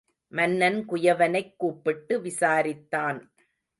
மன்னன் குயவனைக் கூப்பிட்டு விசாரித்தான்.